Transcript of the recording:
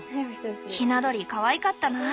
ひな鳥かわいかったな。